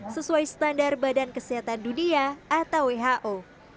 sesuai standar badan kesehatan dunia atau who